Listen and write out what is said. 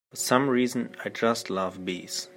For some reason I just love bees.